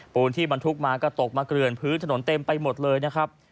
ที่บรรทุกมาก็ตกมาเกลื่อนพื้นถนนเต็มไปหมดเลยนะครับ